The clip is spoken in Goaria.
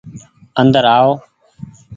اندر آو۔